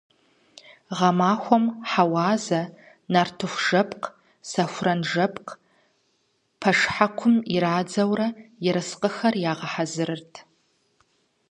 Гъэмахуэм хьэуазэ, нартыхужэпкъ, сэхуранжэпкъ пэшхьэкум ирадзэурэ, ерыскъыхэр ягъэхьэзырырт.